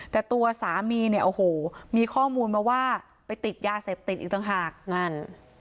แต่ตัวสามีเนี่ยโอ้โหมีข้อมูลมาว่าไปติดยาเสพติดอีกต่างหากนั่น